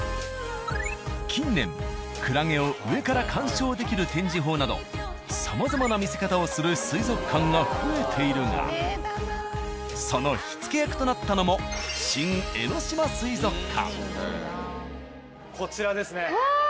近年クラゲを上から鑑賞できる展示法などさまざまな見せ方をする水族館が増えているがその火付け役となったのも新江ノ島水族館。